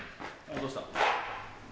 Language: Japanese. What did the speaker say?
・どうした？